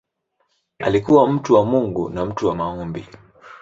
Alikuwa mtu wa Mungu na mtu wa maombi.